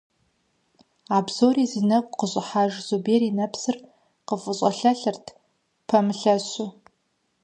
А псори зи нэгу къыщIыхьэжа Зубер и нэпсхэр къыфIыщIэлъэлъырт, пэмылъэщу.